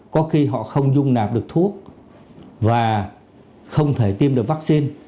có khi họ không dung nạp được thuốc và không thể tiêm được vaccine